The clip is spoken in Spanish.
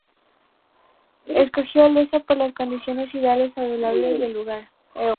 Escogió Olesa por las condiciones ideales y saludables del lugar.